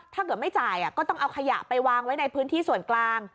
ถ้าเกิดไม่จ่ายก็ต้องเอาขยะไปวางไว้ในพื้นที่ส่วนกลาง